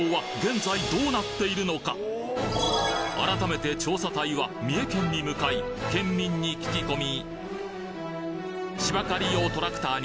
改めて調査隊は三重県に向かい県民に聞き込み